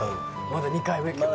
まだ２回目今日。